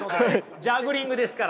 ジャグリングですからね。